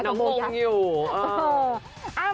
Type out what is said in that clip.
น้องมงอยู่